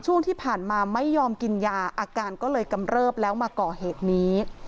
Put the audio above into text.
ช่วงที่ผ่านมาไม่ยอมกินยาอาการก็เลยกำเริบแล้วมาก่อเหตุนี้